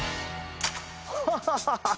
ハハハハハ！